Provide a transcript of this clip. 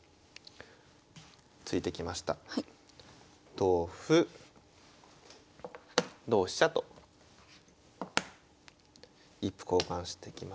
同歩同飛車と１歩交換してきまして